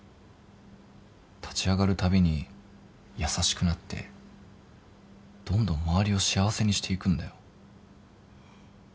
立ち上がるたびに優しくなってどんどん周りを幸せにしていくんだよ。